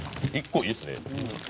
１個いいですね。